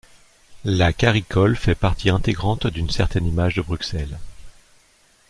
La caricole fait partie intégrante d'une certaine image de Bruxelles.